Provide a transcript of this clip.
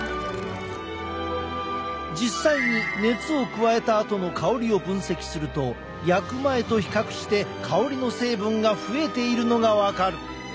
実際に熱を加えたあとの香りを分析すると焼く前と比較して香りの成分が増えているのが分かる。